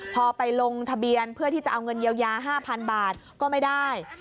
พอไปลงทะเบียนเพื่อที่จะเอาเงินเยียวยา๕๐๐๐บาทก็ไม่ได้